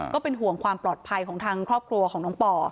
ก็เป็นห่วงความปลอดภัยของทางครอบครัวของน้องปอ